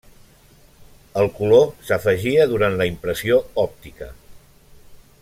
El color s'afegia durant la impressió òptica.